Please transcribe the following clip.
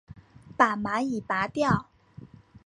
把蚂蚁拨掉